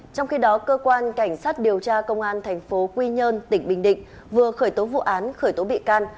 trong khi đó cơ quan cảnh sát điều tra công an thành phố quy nhơn tỉnh bình định vừa khởi tố vụ án khởi tố bị can